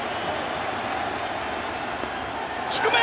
低め！